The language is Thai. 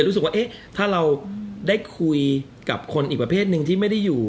รู้สึกว่าเอ๊ะถ้าเราได้คุยกับคนอีกประเภทหนึ่งที่ไม่ได้อยู่